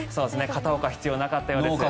片岡、必要なかったようです。